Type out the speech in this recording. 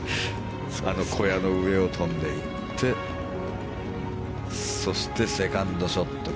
あの小屋の上を飛んでいってそして、セカンドショット。